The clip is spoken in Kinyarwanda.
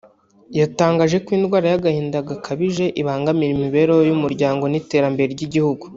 yatangaje ko indwara y’agahinda gakabije ibangamira imibereho y’umuryango n’iterambere ry’igihugu